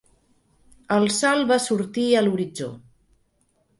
El sol va sortir a l'horitzó.